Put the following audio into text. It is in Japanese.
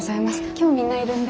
今日みんないるんで。